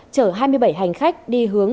chở hai mươi bảy hành khách đi hướng